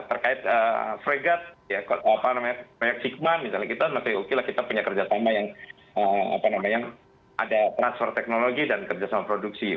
terkait fregat sigma misalnya kita masih oke lah kita punya kerja sama yang ada transfer teknologi dan kerja sama produksi